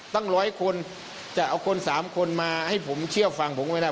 ตั้ง๑๐๐คนจะเอาคน๓คนมาให้ผมเชื่อฟังผมไม่ได้